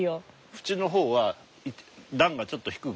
縁の方は段がちょっと低くて。